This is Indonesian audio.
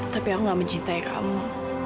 tapi aku gak mencintai kamu